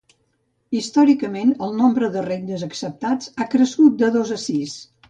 Històricament el nombre de regnes acceptats ha crescut de dos a sis.